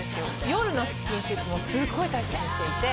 夜のスキンシップもすごい大切にしていて。